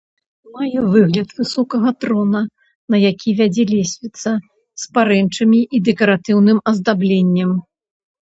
Мае выгляд высокага трона, на які вядзе лесвіца з парэнчамі і дэкаратыўным аздабленнем.